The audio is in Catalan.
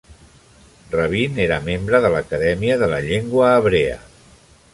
Rabin era membre de l'Acadèmia de la Llengua Hebrea.